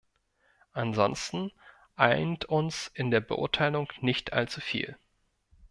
Ansonsten eint uns in der Beurteilung nicht allzu viel.